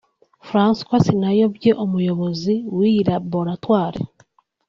François Sinayobye umuyobozi w’iyi laboratwari